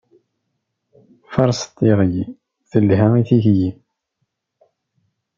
Faṛset tiɣli, telha i tilkli.